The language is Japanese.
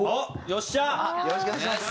よろしくお願いします。